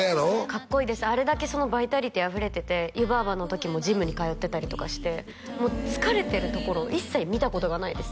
かっこいいですあれだけバイタリティーあふれてて湯婆婆の時もジムに通ってたりとかしてもう疲れてるところを一切見たことがないです